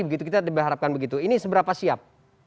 begitu kita harapkan begitu ini seberapa siap